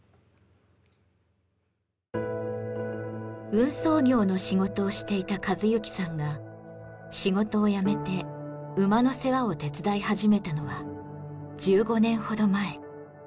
運送業の仕事をしていた一幸さんが仕事を辞めて馬の世話を手伝い始めたのは１５年ほど前。